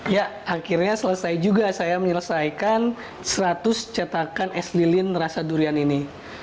ya akhirnya selesai juga saya menyelesaikan seratus cetakan es lilin rasa durian ini